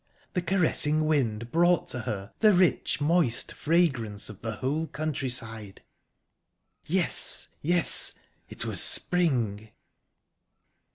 The caressing wind brought to her the rich, moist fragrance of the whole countryside...Yes, yes it was spring!...